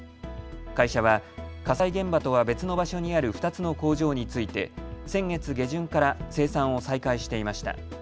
会社は火災現場とは別の場所にある２つの工場について先月下旬から生産を再開していました。